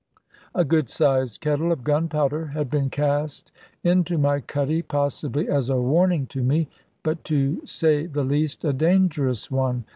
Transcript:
A good sized kettle of gunpowder had been cast into my cuddy, possibly as a warning to me; but, to say the least, a dangerous one.